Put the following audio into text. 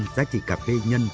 giá trị cà phê nhân